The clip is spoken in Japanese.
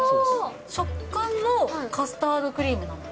食感がカスタードクリームだ。